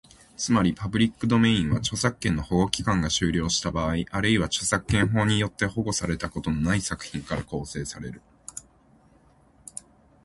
つまり、パブリックドメインは、著作権の保護期間が終了した作品、あるいは著作権法によって保護されたことのない作品から構成される。